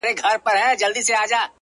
• داسي به ډیرو وي پخوا لیدلی,